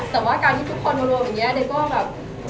แต่ว่าการที่ทุกคนหัวเราะแบบนี้ก็แบบ